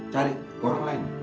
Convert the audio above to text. cari orang lain